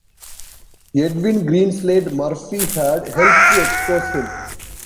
Edwin Greenslade Murphy had helped to expose him.